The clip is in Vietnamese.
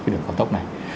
đường cao tốc này